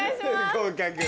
合格。